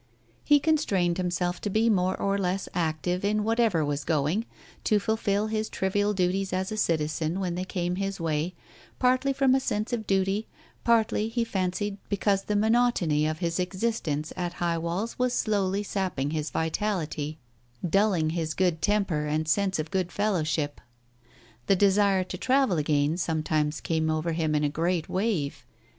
He constrained himself to be more or less active in whatever was going, to fulfil his trivial duties as a citizen when they came his way, partly from a sense of duty, partly, he fancied, because the monotony of his existence at High Walls was slowly sapping his vitality, dulling his good temper and sense of good fellowship. The desire to travel again sometimes came over him in a great wave.